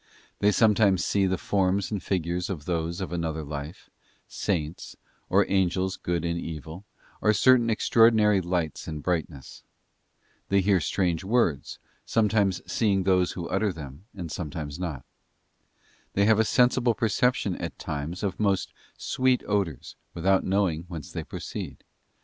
They sometimes see the forms and figures of those of another life, Saints, or Angels good and evil, or certain extraordinary lights and brightness. They hear strange words, sometimes seeing those who utter them, and sometimes not. They have a sensible perception at times of most sweet odours, without knowing whence they proceed.